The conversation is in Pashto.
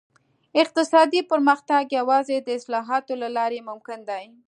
اقتصادي پرمختګ یوازې د اصلاحاتو له لارې ممکن دی.